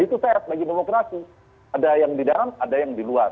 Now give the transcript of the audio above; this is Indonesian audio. dan itu saya harap bagi demokrasi ada yang di dalam ada yang di luar